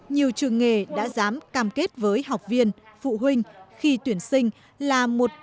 nhiều trường nghề đã dám cam kết với học viên phụ huynh khi tuyển sinh là một trăm linh